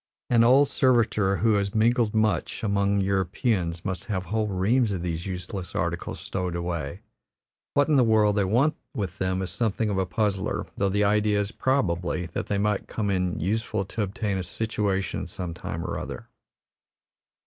An old servitor who has mingled much among Europeans must have whole reams of these useless articles stowed away. What in the world they want with them is something of a puzzler; though the idea is, probably, that they might come in useful to obtain a situation some time or other.